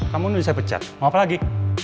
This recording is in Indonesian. kamu bisa pecat mau apa lagi